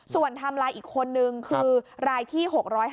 ส่วนทำรายอีกคนนึงคือรายที่๖๕๘